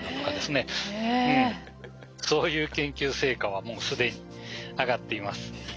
そういう研究成果はもう既に上がっています。